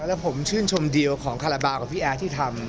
แล้วผมชื่นชมดีลของคาราบาลกับพี่แอร์ที่ทำ